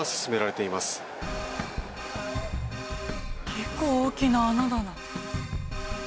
結構大きな穴だな。